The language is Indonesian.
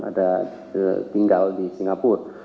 ada tinggal di singapura